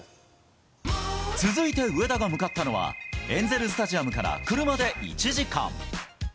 続いて上田が向かったのは、エンゼルススタジアムから車で１時間。